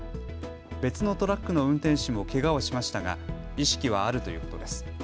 別のトラックの運転手もけがをしましたが意識はあるということです。